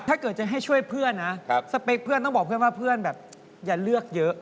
ถ้าเกิดจะให้ช่วยเพื่อนนะสเปคเพื่อนต้องบอกเพื่อนว่าเพื่อนแบบอย่าเลือกเยอะ